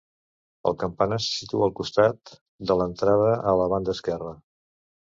El campanar se situa al costat de l'entrada a la banda esquerra.